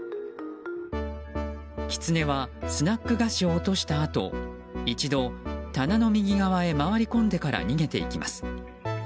キツネはスナック菓子を落としたあと一度、棚の右側へ回り込んでから逃げていきます。